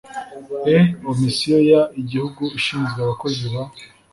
E omisiyo y igihugu ishinzwe abakozi ba